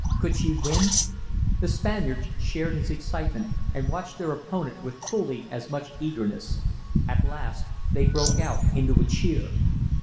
Could she win? The Spaniards shared his excitement, and watched their opponent with fully as much eagerness. At last they broke out into a cheer.